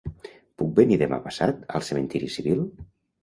Puc venir demà passat al cementiri civil?